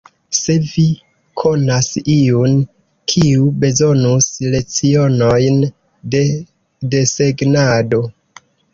Se vi konas iun, kiu bezonus lecionojn de desegnado.